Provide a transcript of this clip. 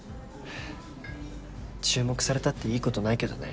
注目されたっていいことないけどね。